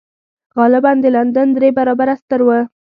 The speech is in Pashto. غالباً د لندن درې برابره ستر و.